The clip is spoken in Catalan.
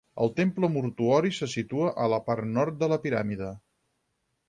El temple mortuori se situa a la part nord de la piràmide.